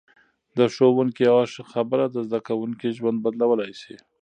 د ښوونکي یوه ښه خبره د زده کوونکي ژوند بدلولای شي.